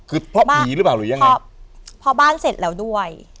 คือเพราะผีหรือเปล่าหรือยังไงครับพอบ้านเสร็จแล้วด้วย